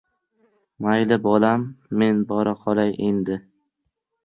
— Mayli, bolam, men bora qolay endi.